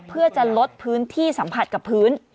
เพื่อจะลดพื้นที่สัมผัสกับพื้น